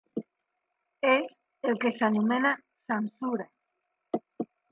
És el que s'anomena "censura".